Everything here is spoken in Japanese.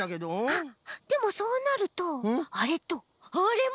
あっでもそうなるとあれとあれも。